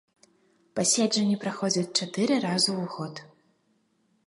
Паседжанні праходзяць чатыры разу ў год.